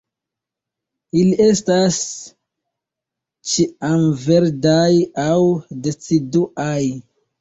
Ili estas ĉiamverdaj aŭ deciduaj.